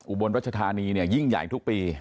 อุบลวัชธานียิ่งใหญ่ทุกปี